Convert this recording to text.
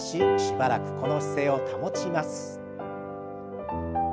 しばらくこの姿勢を保ちます。